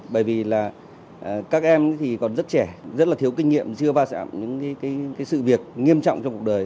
bởi vì là các em thì còn rất trẻ rất là thiếu kinh nghiệm chưa va chạm những sự việc nghiêm trọng trong cuộc đời